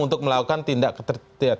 untuk melakukan tindak ketertiban